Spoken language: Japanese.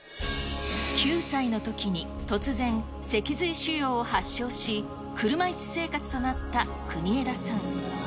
９歳のときに、突然、脊髄腫瘍を発症し、車いす生活となった国枝さん。